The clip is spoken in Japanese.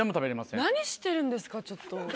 何してるんですかちょっと。